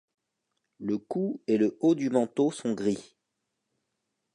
Le cou et le haut du manteau sont gris.